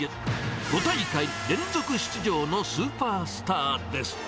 ５大会連続出場のスーパースターです。